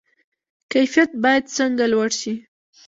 کیفیت باید څنګه لوړ شي؟